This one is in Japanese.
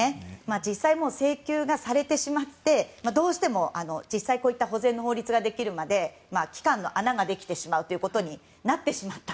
実際、請求がされてしまってどうしても実際、こういった保全の法律ができるまで期間の穴ができてしまうということになってしまった。